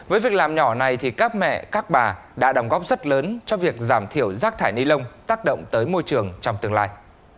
với việc làm nhỏ này thì các mẹ các bà đã đồng góp rất lớn cho việc giảm thiểu rác thải ni lông tác động tới môi trường trong tương lai